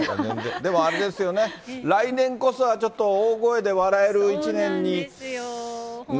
でも、あれですよね、来年こそはちょっと大声で笑える一年にね。